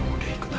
udah ikut aku